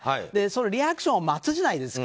リアクションを待つじゃないですか。